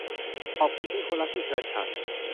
ขอบคุณนิโคลัสที่เชิญฉัน